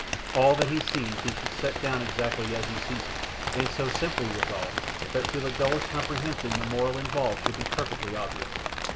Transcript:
All that he sees he should set down exactly as he sees it, and so simply, withal, that to the dullest comprehension the moral involved shall be perfectly obvious.